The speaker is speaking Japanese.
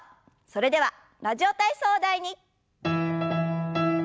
それでは「ラジオ体操第２」。